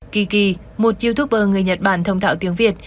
kiki một youtuber người nhật bản thông thạo tiếng việt